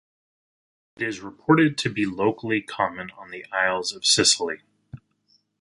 It is reported to be locally common on the Isles of Scilly.